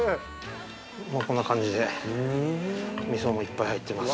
こんな感じでみそもいっぱい入ってます。